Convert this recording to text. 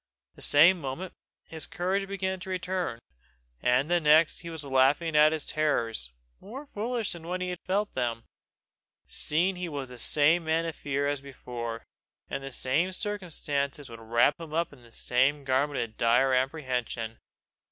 The same moment his courage began to return, and the next he was laughing at his terrors, more foolish than when he felt them, seeing he was the same man of fear as before, and the same circumstances would wrap him in the same garment of dire apprehension.